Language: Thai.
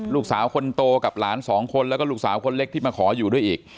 ลูกสาวคนโตกับหลานสองคนแล้วก็ลูกสาวคนเล็กที่มาขออยู่ด้วยอีก